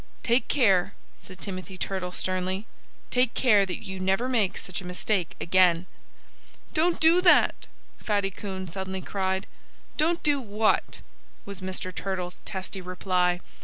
"Take care " said Timothy Turtle sternly "take care that you never make such a mistake again." "Don't do that!" Fatty Coon suddenly cried. "Don't do what?" was Mr. Turtle's testy reply.